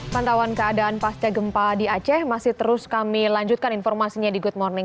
pantauan keadaan pasca gempa di aceh masih terus kami lanjutkan informasinya di good morning